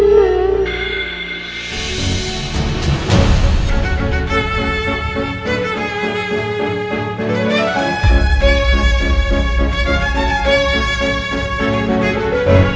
mama bangun ma